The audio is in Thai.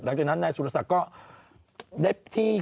หลังจากนั้นนายสุรษะก็ได้ที่